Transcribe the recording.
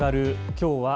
きょうは＃